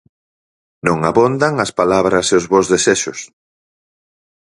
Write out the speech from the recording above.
Non abondan as palabras e os bos desexos.